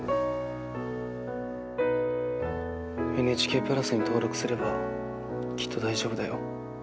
ＮＨＫプラスに登録すればきっと大丈夫だよ。